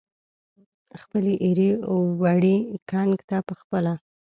خپلې ایرې وړي ګنګ ته پخپله